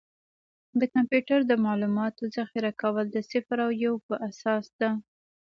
د کمپیوټر د معلوماتو ذخیره کول د صفر او یو په اساس ده.